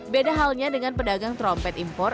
beda halnya dengan pedagang trompet impor